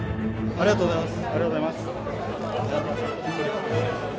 ありがとうございます。